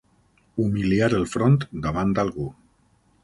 Humiliar el front davant algú.